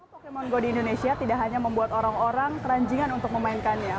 pokemon go di indonesia tidak hanya membuat orang orang keranjingan untuk memainkannya